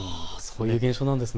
そういう現象なんです。